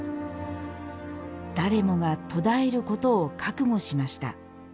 誰もが途絶えることを覚悟しました。